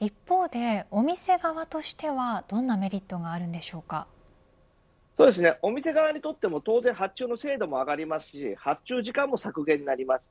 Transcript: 一方で、お店側としてはどんなメリットがお店側にとっても当然発注の精度も上がりますし発注時間も削減になります。